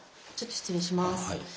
ちょっと失礼します。